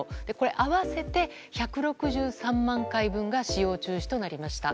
合わせて１６３万回分が使用中止となりました。